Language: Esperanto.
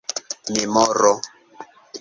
memoro